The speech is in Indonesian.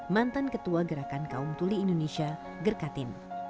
mantan ketua gerakan kaum tuli indonesia gerkatin